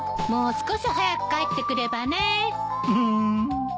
もう少し早く帰ってくればね。